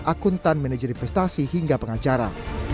akuntan manajer investasi hingga pengacara